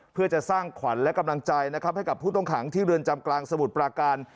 เพื่อจะสร้างขวัญและกำลังใจนะครับให้กับผู้ต้องขังที่เรือนจำกลางสมุทรปราการ